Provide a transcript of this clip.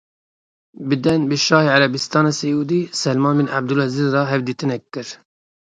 Biden bi Şahê Erebistana Siûdî Selman bin Ebdulezîz re hevdîtinek kir.